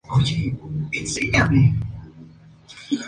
Hoy se utiliza como Sala de Exposiciones y Biblioteca.